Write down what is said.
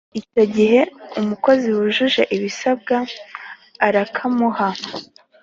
icyo gihe umukozi wujuje ibisabwa barakamuha